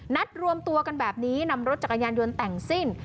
นัดรวมตัวกันแบบนี้นำรถจักรยานยนต์แต่งสิ้น